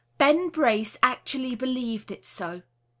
Ben Brace actually believed it so.